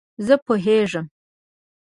زه پوهیږم